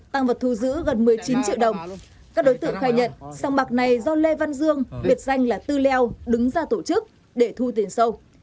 tăng vật thu giữ gần một mươi chín triệu đồng các đối tượng khai nhận sòng bạc này do lê văn dương biệt danh là tư leo đứng ra tổ chức để thu tiền sâu